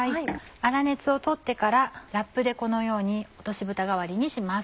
粗熱を取ってからラップでこのように落としぶた代わりにします。